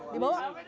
di bawah ya